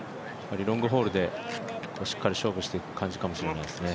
ロングホールでしっかり勝負していく感じかもしれないですね。